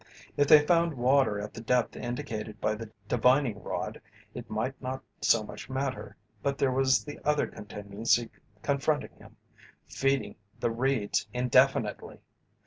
If they found water at the depth indicated by the divining rod, it might not so much matter, but there was the other contingency confronting him feeding the Reeds indefinitely!